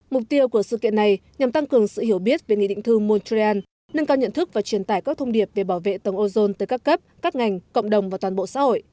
mục tiêu của sự kiện này nhằm tăng cường sự hiểu biết về nghị định thư montreal nâng cao nhận thức và truyền tải các thông điệp về bảo vệ tầng ozone tới các cấp các ngành cộng đồng và toàn bộ xã hội